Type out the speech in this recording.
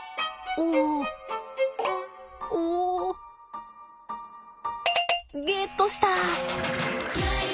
おお！ゲットした！